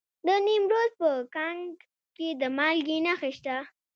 د نیمروز په کنگ کې د مالګې نښې شته.